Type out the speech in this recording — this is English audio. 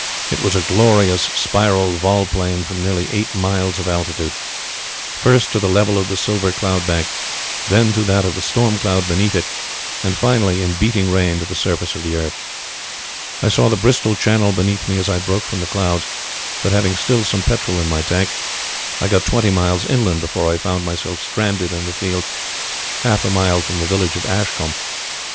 It was a glorious, spiral vol plane from nearly eight miles of altitude first, to the level of the silver cloud bank, then to that of the storm cloud beneath it, and finally, in beating rain, to the surface of the earth. I saw the Bristol Channel beneath me as I broke from the clouds, but, having still some petrol in my tank, I got twenty miles inland before I found myself stranded in a field half a mile from the village of Ashcombe.